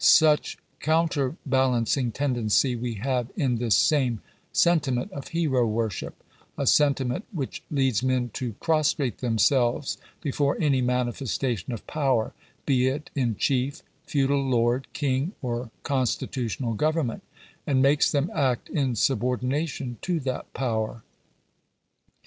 Such counterbalancing tendency we have in this | same sentiment of hero worship ; a sentiment which leads men i | to prostrate themselves before any manifestation of power, be it 1 in chief, feudal lord, king, or constitutional government, and i makes them act in subordination to that power.